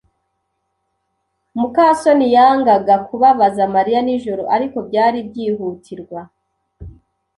muka soni yangaga kubabaza Mariya nijoro, ariko byari byihutirwa.